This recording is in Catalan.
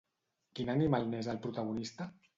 Quin animal n'és el protagonista?